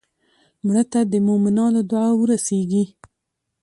مړه ته د مومنانو دعا ورسېږي